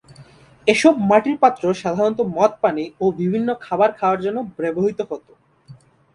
এসব মাটির পাত্র সাধারণত মদ পানে ও বিভিন্ন খাবার খাওয়ার জন্য ব্যবহৃত হতো।